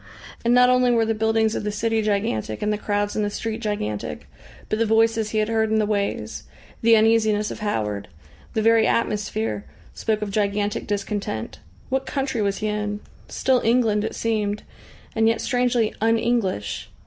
And not only were the buildings of the city gigantic and the crowds in the street gigantic, but the voices he had heard in the ways, the uneasiness of Howard, the very atmosphere spoke of gigantic discontent. What country was he in? Still England it seemed, and yet strangely "un English."